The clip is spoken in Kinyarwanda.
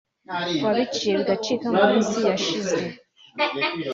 wabiciye bigacika mu minsi yashize